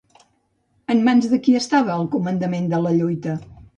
En mans de qui estava el comandament de la lluita?